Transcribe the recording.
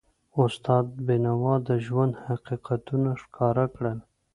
استاد بینوا د ژوند حقیقتونه ښکاره کړل.